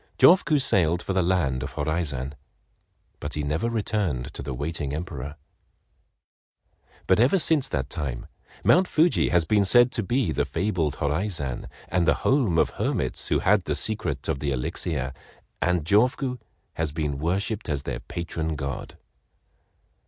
Jofuku sailed for the land of Horaizan, but he never returned to the waiting Emperor; but ever since that time Mount Fuji has been said to be the fabled Horaizan and the home of hermits who had the secret of the elixir, and Jofuku has been worshiped as their patron god.